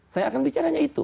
saya akan bicara hanya itu